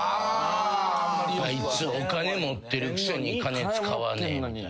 「あいつお金持ってるくせに金使わねえ」みたいな。